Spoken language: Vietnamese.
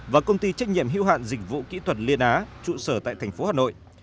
và công ty trách nhiệm hữu hạn dịch vụ kỹ thuật liên á trụ sở tại thành phố hà nội